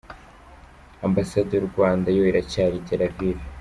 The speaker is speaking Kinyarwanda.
Ambasade y’u Rwanda yo iracyari i Tel Aviv.